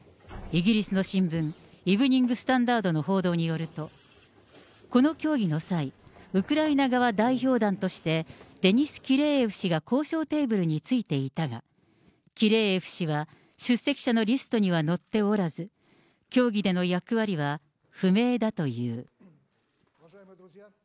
イギリスの新聞、イブニング・スタンダードの報道によると、この協議の際、ウクライナ側代表団として、デニス・キレーエフ氏が交渉テーブルに着いていたが、キレーエフ氏は出席者のリストには載っておらず、協議での役割は不明だという。